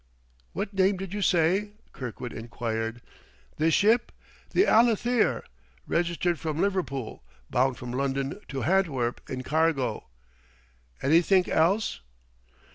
"What name did you say?" Kirkwood inquired. "This ship? The Allytheer; registered from Liverpool; bound from London to Hantwerp, in cargo. Anythink else?"